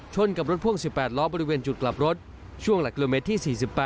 กับรถพ่วง๑๘ล้อบริเวณจุดกลับรถช่วงหลักกิโลเมตรที่๔๘